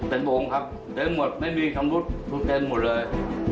เป็นวงครับเต็มหมดไม่มีคำพูดเต็มหมดเลย